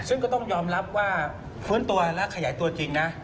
ซึ่งก็ต้องยอมรับว่าฟื้นตัวและขยายตัวจริงนะ